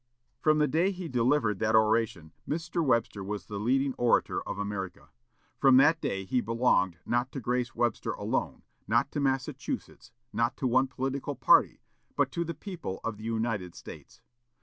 From the day he delivered that oration, Mr. Webster was the leading orator of America. From that day he belonged not to Grace Webster alone, not to Massachusetts, not to one political party, but to the people of the United States.